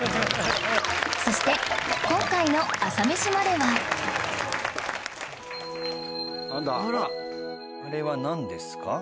そして今回の『朝メシまで。』はあれはなんですか？